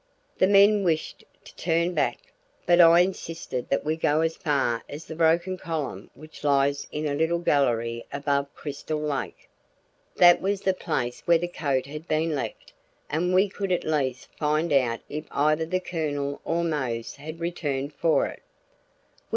The men wished to turn back, but I insisted that we go as far as the broken column which lies in a little gallery above Crystal Lake. That was the place where the coat had been left, and we could at least find out if either the Colonel or Mose had returned for it.